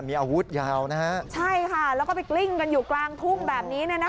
มีอาวุธยาวนะฮะใช่ค่ะแล้วก็ไปกลิ้งกันอยู่กลางทุ่งแบบนี้เนี่ยนะคะ